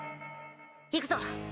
行くぞ。